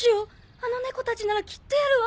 あの猫たちならきっとやるわ！